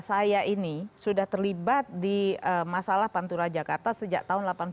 saya ini sudah terlibat di masalah pantura jakarta sejak tahun seribu sembilan ratus delapan puluh